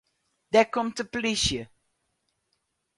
Dêr komt de polysje.